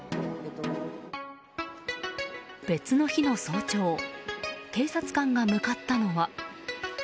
別の日の早朝警察官が向かったのは。